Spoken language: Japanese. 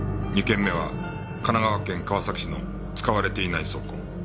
２件目は神奈川県川崎市の使われていない倉庫。